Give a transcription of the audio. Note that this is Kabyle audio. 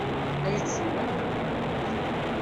La iyi-tsellem akk?